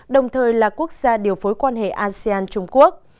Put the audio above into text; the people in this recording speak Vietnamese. đồng thời là quốc gia điều phối quan hệ asean trung quốc